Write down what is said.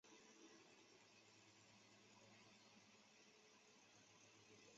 威海话是通行于山东省威海市及其附近地区的一种北方现代汉语方言。